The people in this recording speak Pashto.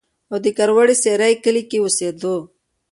او د کروړې سېرۍ کلي کښې اوسېدو